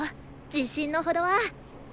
自信のほどは？